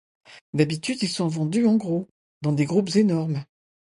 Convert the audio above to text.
D'habitude ils sont vendus en gros, dans des groupes énormes.